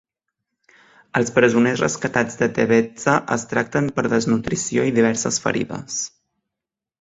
Els presoners rescatats de Tebezza es tracten per desnutrició i diverses ferides.